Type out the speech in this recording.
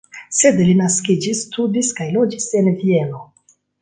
Sed li naskiĝis, studis kaj loĝis en Vieno.